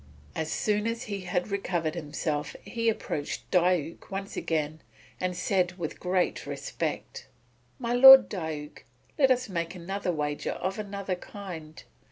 As soon as he had recovered himself he approached Diuk once again and said with great respect: "My Lord Diuk, let us make another wager of another kind.